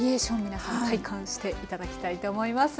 皆さん体感して頂きたいと思います。